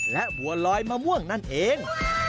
และบัวลอยมะม่วงนั่นเอง